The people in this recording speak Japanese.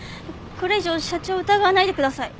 これ以上社長を疑わないでください。